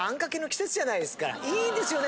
いいですよね。